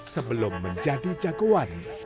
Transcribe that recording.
sebelum menjadi jagoan